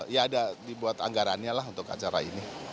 ya ada dibuat anggarannya lah untuk acara ini